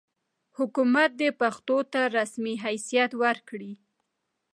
حکومت دې پښتو ته رسمي حیثیت ورکړي.